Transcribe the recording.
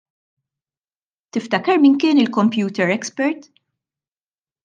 Tiftakar min kien il-computer expert?